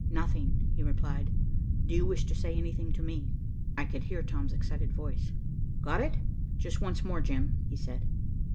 "Nothing," he replied. "Do you wish to say anything to me?" I could hear Tom's excited voice. "Got it?" "Just once more, Jim," he said.